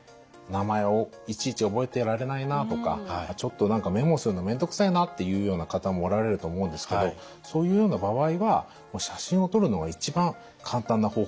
「名前をいちいち覚えてられないなあ」とか「ちょっと何かメモするの面倒くさいな」というような方もおられると思うんですけどそういうような場合は写真を撮るのが一番簡単な方法だと思います。